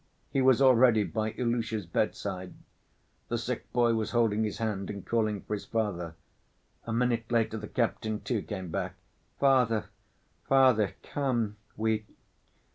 He was already by Ilusha's bedside. The sick boy was holding his hand and calling for his father. A minute later the captain, too, came back. "Father, father, come ... we